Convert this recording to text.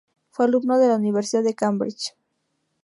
Fue alumno de la Universidad de Cambridge.